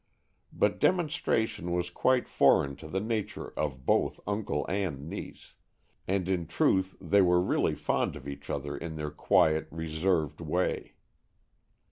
But demonstration was quite foreign to the nature of both uncle and niece, and in truth they were really fond of each other in their quiet, reserved way.